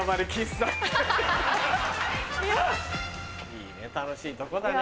いいね楽しいとこだね。